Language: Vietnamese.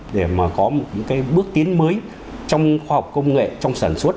để mà có một cái bước tiến mới trong khoa học công nghệ trong sản xuất